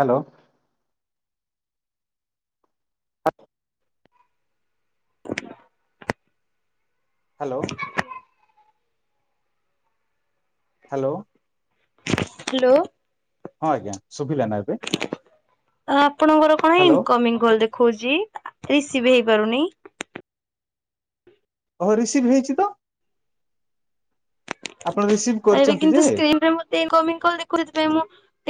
Hello [inaudible] hello hello hello ହଁ ଆଜ୍ଞା ଶୁଭିଲା ନା ଏବେ ଆପଣଙ୍କର କଣ ହ୍ୟାଲୋ ଇନକମିଂ କଲ ଦେଖଉଛି ସି ବି ହେଇପାରୁନି ଓ ରିସିଭ ହେଇଛି ତ ଆପଣ ରିସିଭ୍ ଏବେ କରିଛନ୍ତି ଯେ କିନ୍ତୁ ସ୍କିର୍ନରେ ମୋତେ ଇନକମିଙ୍ଗ କଲ ଦେଖଉଚି ମୁଁ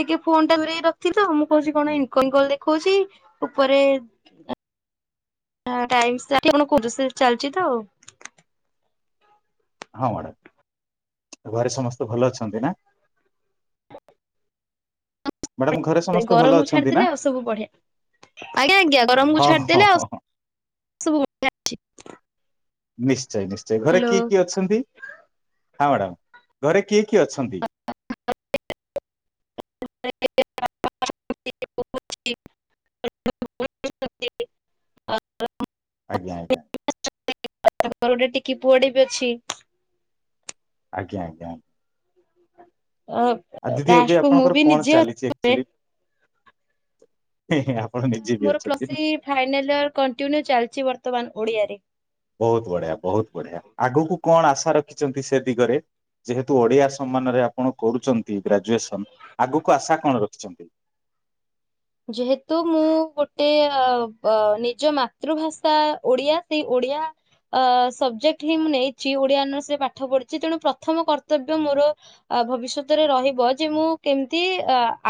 ଟିକେ ଫୋନ ଟା ଦରେଇ ରଖ ତ ମୁଁ କହୁଛି କଣ ଇନ ଦେଖାଉଛି ଉପରେଣ କ ଚାଲିଛି ତ ହଁ ମ୍ୟାଡାମ ଘରେ ସମସ୍ତେ ଭଲ ଅଛନ୍ତି ନା ମ୍ୟାଡାମ ଘରେ ସମସ୍ତେ ଭଲ ଗରମକୁ ଅଛନ୍ତି ନା ଛାଡିଦେଲେ ଆଉ ସବୁ ବଢିଆ ଆଜ୍ଞା ଆଜ୍ଞା ଗରମକୁ ହଁ ହ ଛାଡିଦେଲେ ଆଉ ହ ସବୁ ବଢିଆ ଅଛି। ନିଶ୍ଚୟ ନିଶ୍ଚୟ ଘରେ ହ୍ୟାଲୋ। କିଏ କିଏ ଅଛନ୍ତି ହଁ ମ୍ୟାଡ଼ାାମ ଘରେ କିଏ କିଏ ଅଛନ୍ତି [unintelligible] ଆଜ୍ଞା ଆଜ୍ଞା [inaudible] ଟିକି ପୁଅଟେ ବି ଅଛି ଆଜ୍ଞା ଆଜ୍ଞ ଆଉ ଦିଦି ଲାଷ୍ଟ ଏବେ କୁ ମୁଁ ଆପଣଙ୍କର ବି କଣ ଚାଲିଛି ନିଜେ ଆକ୍ଚୁଆଲି। ଆପଣ ନିଜେ ବି ମୋର ଅଛନ୍ତି ପ୍ଲଥ୍ରୀ ଫାଇନାଲ ଇୟର କଣ୍ଟିନ୍ୟୁ ଚାଲିଛି ବର୍ତ୍ତମାନ। ଓଡ଼ିଆରେ। ବହୁତ ବଢିଆ ବହୁତ ବଢିଆ ଆଗକୁ କଣ ଆସ ଆସ ରଖି ଛନ୍ତି ସେ ଦିଗରେ ଯେହେତୁ ଓଡ଼ିଆ ସାମନାରେ କରୁଛନ୍ତି ଗ୍ରାଜ୍ୟସନ ଆଗକୁ ଆସା କଣ ରଖଛି ଚମ୍ପ ଯେହେତୁ ମୁଁ ଗୋଟେ ନିଜ ମାତୃଭାଷା ଓଡିଆ ସେଇ ଓଡିଆ ସବଜେକ୍ଟ ହିଁ ମୁଁ ନେଇଛି ଓଡିଆର୍ସରେ ପାଠ ପଢିଛି ତେଣୁ ପ୍ରଥମ କର୍ତ୍ତବ୍ୟ ମୋର ଭବିଷ୍ୟତରେ ରହିବ ଯେ ମୁଁ କେମିତି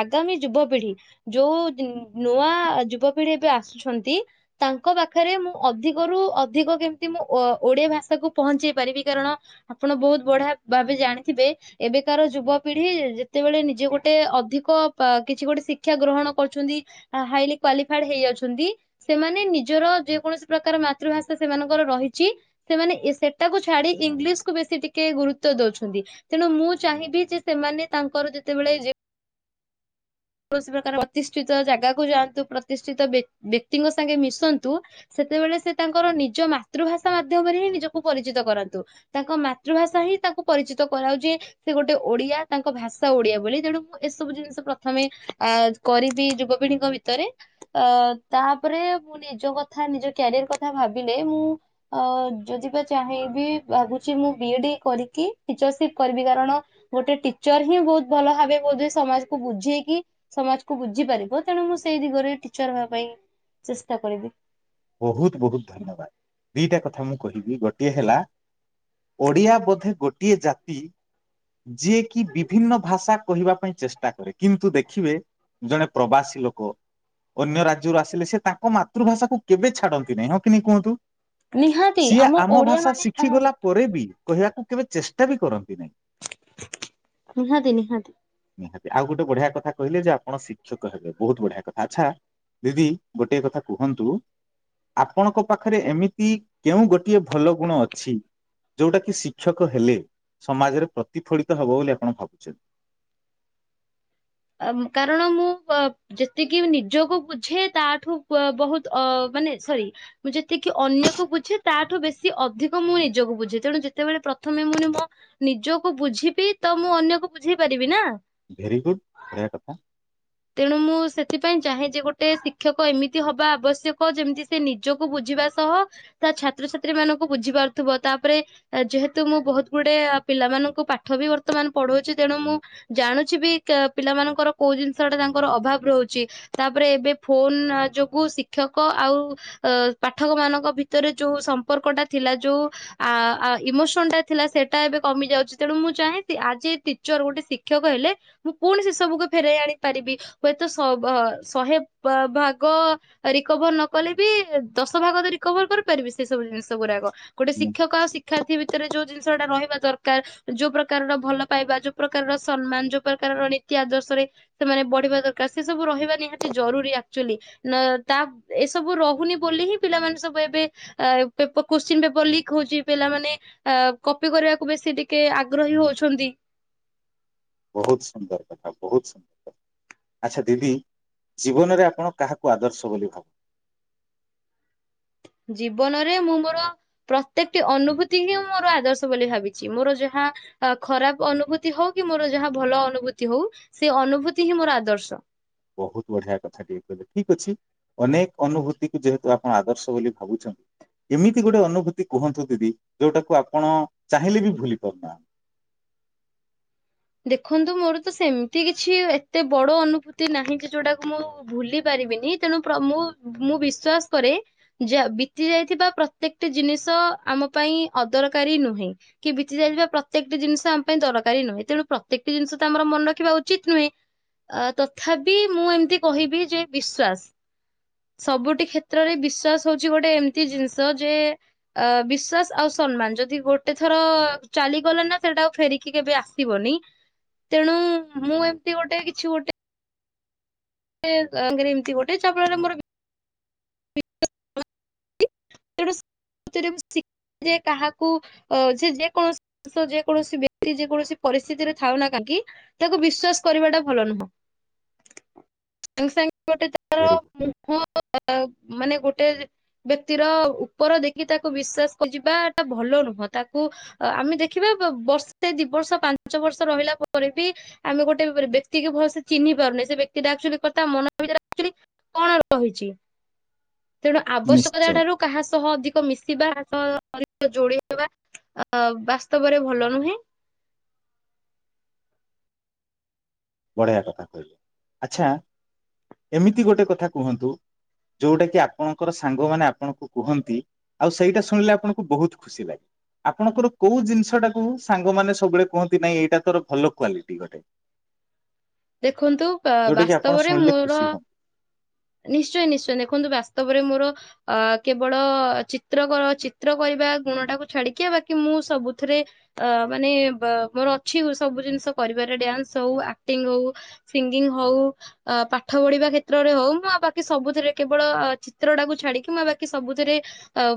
ଆଗାମୀ ଯୁବପିଢି। ଯୋଉ ନୂଆ ଯୁବପିଢି ଏବେ ଆସୁଛନ୍ତି ତାଙ୍କ ପାଖରେ ମୁଁ ଅଧିକରୁୁ ଅଧିକ କେମିତି ମୁଁ ଓଡିଆ ଭାଷାକୁ ପହଞ୍ଚେଇ ପାରିବି କାରଣ ଆପଣ ବହୁତ ବଢିଆ ଭାବେ ଜାଣିଥିବେ ଏବେକାର ଯୁବପିଢି ଯେତେବେଳେ ନିଜେ ଗୋଟେ ଅଧିକ କିଛି ଗୋଟେ ଶିକ। ଶିକ୍ଷା ଗ୍ରହଣ କରୁଛନ୍ତି ହାଇଲି କ୍ଵାଲିଫାଇଡ ହେଇ ଅଛନ୍ତି ସେମାନେ ନିଜର ଯେକୌଣସି ପ୍ରକାର ମାତୃଭାଷା ସେମାନଙ୍କର ରହିଛି ସେମାନେ ସେଟାକୁ ଛାଡି ଇଂଲିଶକୁ ବେଶୀ ଟିକେ ଗୁରୁତ୍ୱ ଦଉଛନ୍ତି ତେଣୁ ମୁଁ ଚାହିଁବି ଯେ ସେମାନେ ତାଙ୍କର ଯେତେବେଳେ। କୌଣସି ପ୍ରକାର ପ୍ରତିଷ୍ଠିତ ଜାଗାକୁ ଯାଆନ୍ତୁ ପ୍ରତିଷ୍ଠିତ ବ୍ୟକ୍ତିଙ୍କ ସାଙ୍ଗେ ମିଶନ୍ତୁ ସେତେବେଳେ ସେ ତାଙ୍କର ନିଜ ମାତୃଭାଷା ମାଧ୍ୟମରେ ହିଁ ନିଜକୁ ପରିଚିତ କରାନ୍ତୁ ତାଙ୍କ ମାତୃଭାଷା ହିଁ ତାଙ୍କୁ ପରିଚିତ କରାାଉଛି ସେ ଗୋଟେ ଓଡିଆ ତାଙ୍କ ଭାଷା ଓଡିଆ ବୋଲି ତେଣୁ ମୁଁ ଏସବୁ ଜିନିଷ। ପ୍ରଥମେ କରିବି ଯୁବପିଢିଙ୍କ ଭିତରେ ଅ ତାପରେ ମୁଁ ନିଜ କଥା ନିଜ କ୍ୟାରିୟର କଥା ଭାବିଲେ ମୁଁ ଅ ଯଦି ବା ଚାହିଁବି ଭାବୁଛି ମୁଁ ବି ଏ ଡି କରିକି ଟିଚରସିପ କରିବି କାରଣ ଗୋଟେ ଟିଚର ହିଁ ବହୁତ ଭଲ ଭାବେ ବୋଧେ ସମାଜକୁ ବୁଝ ବୁଝେଇକି ସମାଜକୁ ବୁଝି ପାରିବ ତେଣୁ ମୁଁ ସେଇ ଦିଗରେ ଟିଚର ହେବା ପାଇଁ ଚେଷ୍ଟା କରିବି। ବହୁତ ବହୁତ ଧନ୍ୟବାଦ ଦିଟା କଥା ମୁଁ। କହିବି ଗୋଟିଏ ହେଲା ଓଡିଆ ବୋଧେ ଗୋଟିଏ ଜାତି ଯିଏକ ବିଭିନ୍ନ ଭାଷା କହିବା ପାଇଁ ଚେଷ୍ଟା କରେ କିନ୍ତୁ ଦେଖିବେ ଜଣେ ପ୍ରବାସୀ ଲୋକ ଅନ୍ୟ ରାଜ୍ୟରୁ ଆସିଲେ ସେ ତାଙ୍କ ମାତୃଭାଷାକୁ। କେବେ ଛାଡନ୍ତି ନାାଇଁ ହଁ କି ନହିଁ କୁହନ୍ତୁ। ନିହାତି ସିଏ ଆମ ଓଡିଆ ଭାଷା ମାନେ ଶିଖିଗଲା ପରେ ବି। କହିବାକୁ କେବେ ଚେଷ୍ଟା ବି କରନ୍ତି ନାହିଁ। ନିହାତି ନିହାତି ନିହାତି ଆଉ ଗୋଟେ ବଢିଆ କଥା କହେ ଯେ ଆପଣ ଶିକ୍ଷକ ହେବେ ବହୁତ ବଢିଆ। ଆଛା ଦିଦି ଗୋଟିଏ କଥା କୁହନ୍ତୁ। ଆପଣଙ୍କ ପାଖରେ ଏମିତି କେଉଁ ଗୋଟିଏ ଭଲ ଗୁଣ ଅଛି ଯୋଉଟା କିି ଶିକ୍ଷକ ହେଲେ ସମାଜରେ ପ୍ରତିଫଳିତ ହବ ବୋଲି ଆପଣ ଭାବୁଛନ୍ତି। କାରଣ ମୁଁ ଅ ଯେତିକି ନିଜକୁ ବୁଝେ ତାଠୁ ବହୁତ ଅ ମାନେ ସରି ମୁଁ ଯେତିକି ଅନ୍ୟକୁ ବୁଝେ ତାଠୁ ବେଶି ଅଧିକ ମୁଁ ନିଜକୁ ବୁଝେ ତେଣୁ ଯେତେବେଳେ ପ୍ରଥମେ ମୁଁ ମ ନିଜକୁ ବୁଝିବି ତ ମୁଁ ଅନ୍ୟକୁ ବୁଝେଇ ପାରିବି ନା। ଭେରି ଗୁଡ଼୍ ବଢ଼ିଆ କଥା। ତେଣୁ ମୁଁ ସେଥିପାଇଁ ଚାହେଁ ଯେ ଗୋଟେ ଶିକ୍ଷକ ଏମିତି ହବା ଆବଶ୍ୟକ ଯେମିତି ସେ ନିଜକୁ ବୁଝିବା ସହ ତା ଛାତ୍ରଛାତ୍ରୀ ମାନଙ୍କୁ ବୁଝି ପାରୁଥିବ ତାପରେ ଯେହେତୁ ମୁଁ ବହୁତ ଗୁଡେ ପିଲାମାନଙ୍କୁ ପାଠ ବି ବର୍ତ୍ତମାନ ପଢଉଛି ତେଣୁ ମୁଁ ଜାୁଣୁଛି ବି ପିଲାମାନଙ୍କର କୋଉ ଜିନି ଷ ଟା ତାଙ୍କର ଅଭାବ ରହୁଛି ତାପରେ ଏବେ ଫୋନ ଯୋଗୁ ଶିକ୍ଷକ ଆଉ ପାଠକ ମାନଙ୍କ ଭିତରେ ଯୋଉ ସମ୍ପର୍କ ଟା ଥିଲା ଯୋଉ ଆ ଇମୋସନ ଟା ଥିଲା ସେଟା ଏବେ କମି ଯାଉଛି ତେଣୁ ମୁଁ ଚାହେଁ ଆଜି ଟିଚର ଗୋଟେ ଶିକ୍ଷକ ହେଲେ ମୁଁ ପୁଣି ସେସ ସବୁ ଫେରାଇ ଆଣି ପାରିବି ହୁଏତ ଶ -ବ -ଶହେ ଭାଗ ରିକଭର ନ କଲେ ବି ଦଶ ଭାଗ ତ ରିକଭର କରିପାରିବି ସେ ସବୁ ଜିନିଷ ଗୁଡାକ ଗୋଟେ ହୁଁ, ଶିକ୍ଷକ ଆଉ ଶିକ୍ଷାର୍ଥୀ ବି ଭିତରେ ଯୋଉ ଜିନିଷଟା ରହିବା ଦରକାର ଯୋଉ ପ୍ରକାରର ଭଲ ପାଇବା ଯୋଉ ପ୍ରକାରର ସମ୍ମାନ ଯୋଉ ପ୍ରକାରର ନୀତି ଆଦର୍ଶରେ। ସେମାନେ ବଢିବା ଦରକାର ସେ ସବୁ ରହିବା ନିହାତି ଜରୁରୀ ଆକଚୁଆଲି ତା ଏସବୁ ରହୁନି ବୋଲି ହିଁ ପିଲାମାନେ ସବୁ ଏବେ କୋଶ୍ଚିନ ପେପର ଲିକ୍ ହଉଛି ପିଲାମାନେ କପି କରିବାକୁ ବେଶୀ ଟିକେ ଆଗ୍ରହୀ ହଉଛନ୍ତି। ବହୁତ ସୁନ୍ଦର କଥା ବହୁତ ସୁନ୍ଦର କଥା ଆଚ୍ଛା ଦିଦି ଜୀବନରେ ଆପଣ କାହାକୁ ଆଦର୍ଶ ବୋଲି ଭାବ ଜୀବନରେ ମୁଁ ମୋର ପ୍ରତ୍ୟେକ ଟି ଅନୁଭୂତି ହିଁ ମୋର ଆଦର୍ଶ ବୋଲି ଭାବିଛି ମୋର ଯାହା ଖରାପ ଅନୁଭୂତି ହଉ କି ମୋର ଯାହା ଭଲ ଅନୁଭୂତି ହଉ ସେ ଅନୁଭୂତି ହିଁ ମୋର ଆଦର୍ଶ। ବହୁତ ବଢିଆ କଥା ଟିକେ କହିଲେ ଠିକ ଅଛି ଅନେକ ଅନୁଭୂତିକୁ ଯେହେତୁ ଆପଣ ଆଦର୍ଶ ବୋଲି ଭାବୁଛନ୍ତି ଏମିତି ଗୋଟେ ଅନୁଭୂତି କୁହନ୍ତୁ ଦିଦି ଯୋଉଟାକୁ ଆପଣ ଚାହିଁଲେ ବି ଭୁଲି ପାରୁନାହାନ୍ତି। ଦେଖନ୍ତୁ ମୋର ତ ସେମିତି କିଛି ଏତେ ବଡ ଅନୁଭୂତି ନାହିଁ କି ଯୋଉଟାକୁ ମୁଁ ଭୁଲି ପାରିବିନି ତେଣୁ ମୁଁ ମୁଁ ବିଶ୍ଵାସ କରେ ଯେ ବିତି ଯାଇଥିବା ପ୍ରତ୍ୟେକଟି ଜିନିଷ ଆମ ପାଇଁ ଅଦରକାରୀ ନୁହେଁ କି ବିତି ଯାଇଥିବା ପ୍ରତ୍ୟେକଟି ଜିନିଷ ଆମ ପାଇଁ ଦରକାରୀ ନୁହେଁ ତେଣୁ। ପ୍ରତ୍ୟେକଟି ଜିନିଷ ତ ଆମର ମନେ ରଖିବା ଉଚିତ ନୁହେଁ ଅ ତଥାପି ମୁଁ ଏମତି କହିବି ଯେ ବିଶ୍ଵାସ ସବୁଠି କ୍ଷେତ୍ରରେ ବିଶ୍ୱାସ ହଉଛି ଗୋଟେ ଏମିତି ଜିନିଷ ଯେ ଅ ବିଶ୍ୱାସ ଆଉ ସମ୍ମାନ ଯଦି ଗୋଟେ ଥର ଚାଲିଗଲା ନା ସେଟା ଆଉ ଫେରିକି କେବେ ଆସିବନି। ତେଣୁ ମୁଁ ଏମିତି ଗୋଟେ କିଛି ଗୋଟେ। [unintelligible] ଙ୍ଗରେ ଏମିତି ଗୋଟେ ଚାଫଳରେ ମୋର [inaudible] [inaudible] କାହାକୁ ଯେ ଯେ କୌଣସି ଯେକୌଣସି ବ୍ୟକ୍ତି ଯେକୌଣସି ପରିସ୍ଥିତିରେ ଥାଉ ନା କାହିଁକି ତାକୁ ବିଶ୍ଵାସ କରିବାଟା ଭଲ ନୁହଁ ସାଙ୍ଗ୍ ସାଙ୍ଗ୍। ଗୋଟେ ତାର ଭେରି ମୁହଁ [inaudible] ଅ ଅ ଆଉ ମାନେ ଗୋଟେ ଗୋଟେ ବ୍ୟକ୍ତିର ଉପର ଦେଖି ତାକୁ ବିଶ୍ଵାସ ଯିବାଟା ଭଲ ନୁହଁ ତାକୁ ଆମେ ଦେଖିବା ବର୍ଷ ଦି ବର୍ଷ ପାଞ୍ଚ ବର୍ଷ ରହିଲା ପରେ ବି ଆମେ ଗୋଟେ ବ୍ୟକ୍ତି କି ଭଲସେ ଚିହ୍ନି ପାରୁନେ ସେ ବ୍ୟକ୍ତିଟାଚୁ କଥା ମନ ଭିତରେୁ କଣ ରହିଛି ତେଣୁ ଗୁଡ ଆବଶ୍ୟକତା ନିଶ୍ଚୟ ଠାରୁ କାହା ସହ ଅଧିକ ମିଶ କିବା କାହା [inaudible] ସହ ଅଧିକ ଯୋଡି ହେବା ଆ ବାସ୍ତବରେ ଭଲ ନୁହେଁ ବଢିଆ କଥା କହିଲେ ଆଛା ଏମିତି ଗୋଟେ କଥା କୁହନ୍ତୁ ଯୋଉଟା କି ଆପଣଙ୍କର ସାଙ୍ଗମାନେ ଆପଣଙ୍କୁ କୁହନ୍ତି ଆଉ ସେଇଟା ଶୁଣିଲେ ଆପଣଙ୍କୁ ବହୁତ ଖୁସି ଲାଗେ ଆପଣଙ୍କର କୋଉ ଜିନିଷଟାକୁ ସାଙ୍ଗମାନେ ସବୁବେଳେ କୁହନ୍ତି ନାଇଁ ଏଇଟା ତୋର ଭଲ କ୍ଵାଲିଟି ଗୋଟେ। ଦେଖନ୍ତୁ ଯୋଉଟା କି ଆପଣ ବାସ୍ତବରେ ଶୁଣିଲେ ମୋର ଖୁସି ହୁଅନ୍ତି। ନିଶ୍ଚୟ ନିଶ୍ଚୟ ଦେଖନ୍ତୁ ବାସ୍ତବ ରେ ମୋର କେବଳ ଚିତ୍ର କର ଚିତ୍ର କରିବା ଗୁଣ ଟାକୁ ଛାଡିକି ବାକି ମୁଁ ସବୁଥିରେ ମାନେ ମୋର ଅଛି ସବୁ ଜିନିଷ କରିବାରେ ଡ୍ୟାନ୍ସ ହଉ ଆକ୍ଟିଙ୍ଗ ହଉ ସିଙ୍ଗିଙ୍ଗ୍ ହଉ ପାଠ ପଢିବା କ୍ଷେତ୍ରରେ ହଉ ମୁଁଉ ବାକି ସବୁଥିରେ କେବଳ ଚିତ୍ରଟାକୁ ଛାଡିକି ମୁଁ ବାକି ସବୁଥିରେ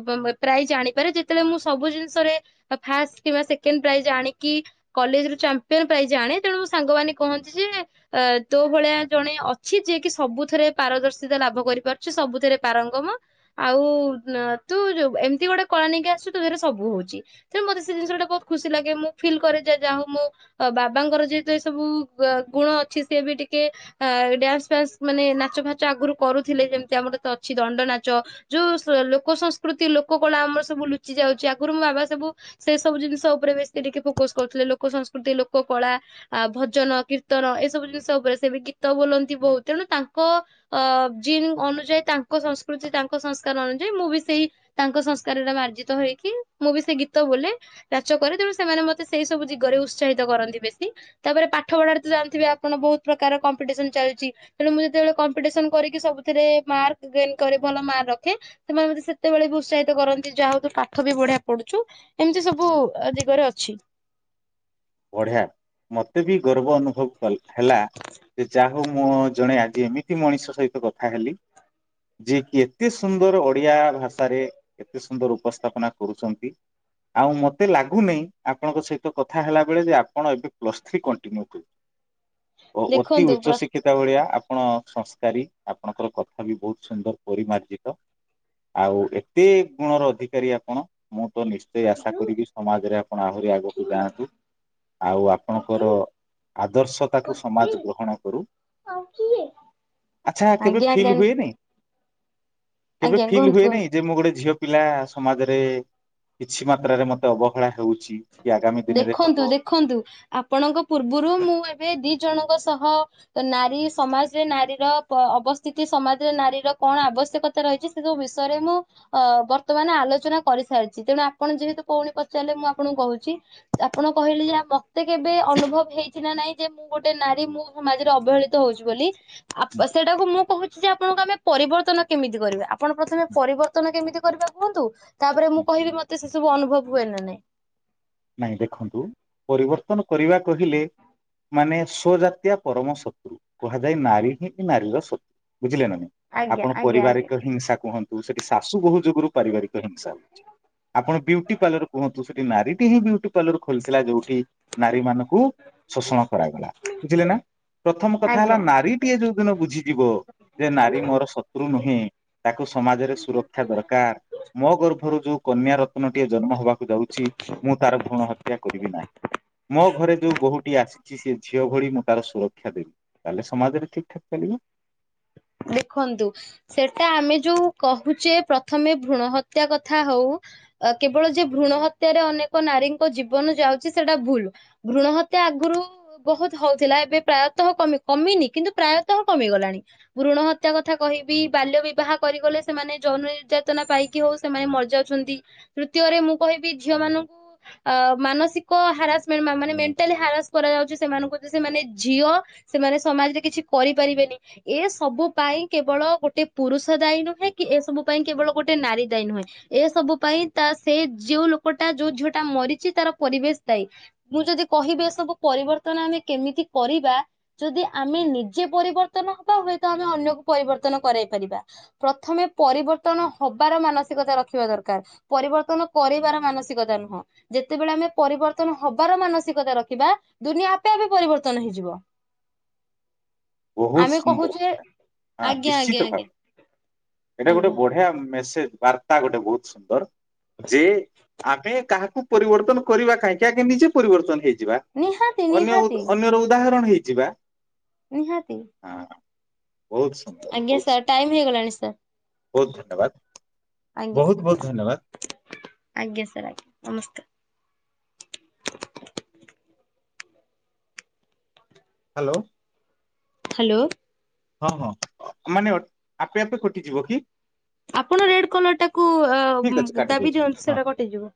ପ୍ର- ପ୍ରାଇଜ ଆଣିପାରେ ଯେତେବେଳେ ମୁଁ ସବୁ ଜିନିଷରେ ଫାଷ୍ଟ କିମ୍ବା ସେକେଣ୍ଡ ପ୍ରାଇଜ ଆଣିକି କଲେଜରୁ ଚାମ୍ପିୟନ ପ୍ରାଇଜ ଆଣେ ତେଣୁ ମୋ ସାଙ୍ଗ ମାନେ କହନ୍ତି ଯେ ଅ ତୋ ଭଳିଆ ଜଣେ ଅଛି ଯିଏ କି ସବୁଥରେ ପାରଦର୍ଶିତା ଲାଭ କରିପାରୁଛି ସବୁଥିରେ ପାରଙ୍ଗମ ଆଉ ତୁ ଯୋଉ ଏମିତି ଗୋଟେ କଳା ନେଇକି ଆସୁଛୁ ତୋ ଦ୍ୱାରା ସବୁ ହଉଛି ତେଣୁ ମତେ ସେ ଜିନିଷ ଗୁଡ଼ା ବହୁତ ଖୁସି ଲାଗେ ମୁଁ ଫିଲ୍ କରେ ଯେ ଯା ହଉ ମୁଁ ବାବାଙ୍କର ଯେହେତୁ ଏ ସବୁ ଗୁଣ ଅଛି ସିଏ ବି ଟିକେ ଅ ଡ୍ୟାନ୍ସ ଫ୍ୟାନ୍ସ ମାନେ ନାଚ ଫାଚ ଆଗରୁ କରୁଥିଲେ ଯେମିତି ଆମର ତ ଅଛି ଦଣ୍ଡ ନାଚ ଯୋଉ ଲୋକ ସଂସ୍କୃତି ଲୋକ କଳା ଆମର ସବୁ ଲୁଚି ଯାଉଛି ଆଗରୁ ମୋ ବାବା ସବୁ ସେ ସବୁ ଜିନିଷ ଉପରେ ବେଶୀ ଟିକେ ଫୋକସ୍ କରୁଥିଲେ ଲୋକ ସଂସ୍କୃତି ଲୋକ କଳା ଆ ଭଜନ କୀର୍ତ୍ତି କୀର୍ତନ ଏସବୁ ଜିନିଷ ଉପରେ ସେ ବି ଗୀତ ବୋଲନ୍ତି ବହୁତ ତେଣୁ ତାଙ୍କ ଅ ଜିନ୍ ଅନୁଯାୟୀ ତାଙ୍କ ସଂସ୍କୃତି ତାଙ୍କ ସଂସ୍କାର ଅନୁଯାୟୀ ମୁଁ ବି ସେଇ ତାଙ୍କ ସଂସ୍କାରରେ ମାର୍ଜିତ ହେଇକି ମୁଁ ବି ସେ ଗୀତ ବୋଲେ ନାଚ କରେ ତେଣୁ ସେମାନେ ମତେ ସେଇ ସବୁ ଦିଗରେ ଉତ୍ସାହିତ କରନ୍ତି ବେଶୀ ତାପରେ ପାଠ ପଢା ଜାଣିଥିବେ ଆପଣ ବହୁତ ପ୍ରକାର କମ୍ପିଟିସନ ଚାଲିଛି ତେଣୁ ମୁଁ ଯେତେବେଳେ କମ୍ପିଟିସନ କରିକି ସବୁଥିରେ ମାର୍କ ଗେନ କରେ ଭଲ ମାର୍କ ରଖେ ସେମାନେ ମତେ ସେତେବେଳେ ବି ଉତ୍ସାହିତ କରନ୍ତି ଯାହା ହଉୁ ପାଠ ବି ବଢିଆ ପଢୁଚୁ ଏମିତି ସବୁ ଦିଗରେ ଅଛି। ଅଛି ବଢିଆ ମତେ ବି ଗର୍ବ ଅନୁଭବ କ ହେଲା ଯେ ଯା ହଉ ମୁଁ ଜଣେ ଆଜି ଏମିତି ମଣିଷ ସହିତ କଥା ହେଲି ଯିଏକ ଏତେ ସୁନ୍ଦର ଓଡିଆ ଭାଷାରେ ଏତେ ସୁନ୍ଦର ଉପସ୍ଥାପନା କରୁଛନ୍ତି ଆଉ ମତେ ଲାଗୁନି ଆପଣଙ୍କ ସହିତ କଥା ହେଲା ବେଳେ ଆପଣ ଏବେ ପ୍ଲସ୍ ଥ୍ରି କନଟିନିୟୁ କ ଓ ହୋତି ଦେଖନ୍ତୁ ଉଚ୍ଚ ପ୍ର ଶିକ୍ଷିତା ଭଳିଆ ଆପଣ ସଂସ୍କାରୀ ଆପଣଙ୍କର କଥା ବି ବହୁତ ସୁନ୍ଦର ପରିମାର୍ଜିତ ଆଉ ଏତେ ଗୁଣର ଅଧିକାରୀ ଆପଣ ମୁଁ ତ ନିଶ୍ଚୟ ଆଶା କରିକି ସମାଜରେ ଆପଣ ଆହୁରି ଆଗକୁ ଯାଆନ୍ତୁ ଆଉ ଆପଣଙ୍କର ଆଦର୍ଶତାକୁ ସମାଜ ଗ୍ରହଣ କରୁ ଆଚ୍ଛା ଆଜ୍ଞା କେବେ ଆଜ୍ଞା ଫିଲ୍ ହୁଏନି କେବେ ଆଜ୍ଞା ଫିଲ୍ କୁହନ୍ତୁ କୁହନ୍ତୁ ହୁଏନାଇଁ ଯେ ମୁଁ ଗୋଟେ ଝିଅ ପିଲା ସମାଜରେ କିଛି ମାତ୍ରାରେ ମତେ ଅବହେଳା ହେଉଛି। କି ଆଗାମୀ ଦିନରେ ହବ ଦେଖନ୍ତୁ ଦେଖନ୍ତୁ ଆପଣଙ୍କ ପୂର୍ବରୁ ମୁଁ ଏବେ ଦି ଜଣଙ୍କ ସହ ନାରୀ ସମାଜରେ ନାରୀର ଅବସ୍ଥିତି ସମାଜରେ ନାରୀର କଣ ଆବଶ୍ୟକତା ରହିଛି ସେ ସବୁ ବିଷୟରେ ମୁଁ ଅ ବର୍ତ୍ତମାନ ଆଲୋଚନା କରିସାରିଛି ତେଣୁ ଆପଣ ଯେହେତୁ କଉଣି ପଚାରିଲେ ମୁଁ ଆପଣଙ୍କୁ କହୁଛି। ଆପଣ କହିଲେ ଯେ ମତେ କେବେ ଅନୁଭବ ହେଇଛି ନା ନାଇଁ ଯେ ମୁଁ ଗୋଟେ ନାରୀ ମୋ ସମାଜରେ ଅବହେଳିତ ହଉଛି ବୋଲି ଆ ସେଟାକୁ ମୁଁ କହୁଛି ଯେ ଆପଣଙ୍କୁ ଆମେ ପରିବର୍ତ୍ତନ କେମିତି କରିବା ଆପଣ ପ୍ରଥମେ ପରିବର୍ତ୍ତନ କେମିତି କରିବା କୁହନ୍ତୁ। ତାପରେ ମୁଁ କହିବି ମତେ ସବୁ ଅନୁଭବ ହୁଏ ନା ନାଇଁ ନାଇଁ ଦେଖନ୍ତୁ ପରିବର୍ତ୍ତନ କରିବା କହିଲେ ମାନେ ସ୍ୱଜାତୀୟ ପରମ ଶତ୍ରୁ କୁହାଯାଏ ନାରୀ ହିଁ ନାରୀର ଶତ୍ରୁ ବୁଝିଲେ ନ ନାଇଁ ଆଜ୍ଞା ଆପଣ ଆଜ୍ଞା ଆଜ୍ଞା ପାରିବାରିକ ହିଂସା କୁହନ୍ତୁ ତୁ ସେଠି ଶାଶୁ ବହୁ ଯ ପାରିବାରିକ ହିଂସା ହଛି ଆପଣଟି ପାର୍ଲ କୁହନ୍ତୁ। ସେ ନାରୀ ବ ବ୍ୟୁଟି ପାର୍ଲର ଖୋଲିଥିଲା ଯୋଉଠି ନାରୀ ମାନଙ୍କୁ ଶୋଷଣ କରାଗଲା ବୁଝିଲେ ନା ପ୍ରଥମ କଥା ହେଲା ଆଜ୍ଞା ନାରୀଟିଏ ଯୋଉ ଦିନ ବୁଝିଯିବ ଯେ ନାରୀ ମୋର ଶତ୍ରୁ ନୁହେଁ ତାକୁ ସମାଜରେ ସୁରକ୍ଷା ଦରକାର ମୋ ଗର୍ଭରୁ ଯୋଉ କନ୍ୟା ରତ୍ନଟିଏ ଜନ୍ମ ହେବାକୁ ଯାଉଛି। ମୁଁ ତାର ଭୂଣ ହତ୍ୟା କରିବି ନାହିଁ ମୋ ଘରେ ଯୋଉ ବୋୂଟି ଆସି ସେ ଝିଅ ଭଳି ମୁଁ ତାର ସୁରକ୍ଷା ଦେବି ତାହେଲେ ସମାଜରେ ଠିକ ଠାକ୍ ଚାଲିବ ଦେଖନ୍ତୁ ସେଟା ଆମେ ଯୋଉ କହୁଛେ ପ୍ରଥମେ ଭ୍ରୂଣ ହତ୍ୟା କଥା ହଉ କେବଳ ଯେ ଭ୍ରୂଣ ହତ୍ୟାରେ ଅନେକ ନାରୀଙ୍କ ଜୀବନ ଯାଉଛି ସେଟା ଭୁଲ ଭ୍ରୁଣ ହତ୍ୟା ଆଗରୁ ବହୁତ ହଉଥିଲା ଏବେ ପ୍ରାୟତଃମି କମିନି କିନ୍ତୁ ପ୍ରାୟତଃ କମିଗଲାଣି ଋଣ ହତ୍ୟା କଥା କହିବି ବାଲ୍ୟ ବିବାହ କରିଗଲେ ସେମାନେ ଜୌନ ନିର୍ଯାତନା ପାଇକି ହଉ ସେମାନେ ମରିଯାଉଛନ୍ତି ତୃତୀୟରେ ମୁଁ କହିବି ଝିଅ ମାନଙ୍କୁ ଅ ମାନସିକ ହାରାସମେଣ୍ଟ ମାନେ ମେଣ୍ଟାଲି ହାରାସ କରାଯାଉଛି ସେମାନଙ୍କୁ ଯେ ସେମାନେ ଝିଅ ସେମାନେ ସମାଜରେ କିଛି କରିପାରିବେନି ଏ ସବୁ ପାଇଁ କେବଳ ଗୋଟେ ପୁରୁଷ ଦାୟୀ ନୁହେଁ କି ଏ ସବୁ ପାଇଁ କେବଳ ଗୋଟେ ନାରୀ ଦାୟୀ ନୁହେଁ ଏ ସବୁ ପାଇଁ ତା ସେ ଯୋଉ ଲୋକଟା ଯୋଉ ଝିଅଟା ମରିଛି ତାର ପରିବେଶ ଦାୟୀ ମୁଁ ଯଦି କହିବି ଏ ସବୁ ପରିବର୍ତ୍ତନ ଆମେ କେମିତି କରିବା ଯଦି ଆମେ ନିଜେ ପରିବର୍ତ୍ତନ ହବା ହୁଏ। ତ ଆମେ ଅନ୍ୟକୁ ପରିବର୍ତ୍ତନ କରାଇ ପାରିବା ପ୍ରଥମେ ପରିବର୍ତ୍ତନ ହବାର ମାନସିକତା ରଖିବା ଦରକାର ପରିବର୍ତ୍ତନ କରିବାର ମାନସିକତା ନୁହଁ ଯେତେବେଳେ ଆମେ ପରିବର୍ତ୍ତନ ହବାର ମାନସିକତା ରଖିବା ଦୁନିଆ ଆପେ ଆପେ ପରିବର୍ତ୍ତନ ହେଇଯିବ ବହୁତ ଆମେ ସୁନ୍ଦର କହୁଛେ ଲ ହଁ ଆଜ୍ଞା ଆଜ୍ଞା ନିଶ୍ଚିତ ଆଜ୍ଞା। ଭାବ ଏଇଟା ଗୋଟେ ଆଜ୍ଞା ବଢିଆ ମେ ବାର୍ତ୍ତା ଗୋଟେ ବହୁତ ସୁନ୍ଦର ଯେ ଆମେ କାହାକୁ ପରିବର୍ତ୍ତନ କରିବା କାହିଁକି ଆଗେ ନିଜେ ପରିବର୍ତ୍ତନ ହେଇଛି ନିହାତି ଅନ୍ୟ ନିହାତି ଅନ୍ୟର ଉଦାହରଣ ହେଇକି ଯିବା ନିହାତି ବହୁତ ସୁନ୍ଦର ଆଜ୍ଞା ବହୁତ ସାର୍ ସୁନ୍ଦର। ଟାଇମ ହେଇଗଲାଣି ସାର୍ ବହୁତ ଧନ୍ୟବାଦ ଆଜ୍ଞା ବହୁତ ବହୁତ ଧନ୍ୟବାଦ ଆଜ୍ଞା ସାର୍ ଆଜ୍ଞା ନମସ୍କାର [inaudible] ହ୍ୟାଲୋ ହ୍ୟାଲୋ ହଁ ହଁ ମାନେ ଆପେ ଆପେ କଟିଯିବ କି? ଆପଣ ରେଡ କଲର ଟାକୁ ଠିକ ଅଛି କାଟି ଦାବି ଦଉଛି ହଁ। ଦିଅନ୍ତୁ ସେଟା କଟିଯିବ